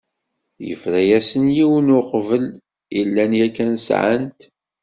Yefra-asen yiwen n uɣbel i llan yakan sεan-t.